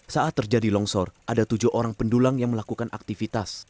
saat terjadi longsor ada tujuh orang pendulang yang melakukan aktivitas